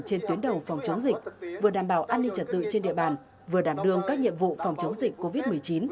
trên tuyến đầu phòng chống dịch vừa đảm bảo an ninh trật tự trên địa bàn vừa đảm đương các nhiệm vụ phòng chống dịch covid một mươi chín